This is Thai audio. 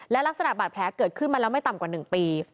และลักษณะบาดแผลเกิดขึ้นมาแล้วไม่ต่ำกว่า๑ปี